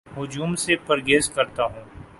ہجوم سے پرہیز کرتا ہوں